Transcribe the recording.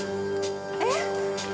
えっ！